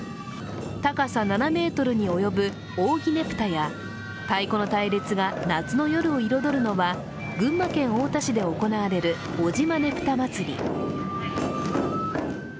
高さ７ｍに及ぶ扇ねぷたや太鼓の隊列が夏の夜を彩るのは、群馬県太田市で行われる尾島ねぷたまつり。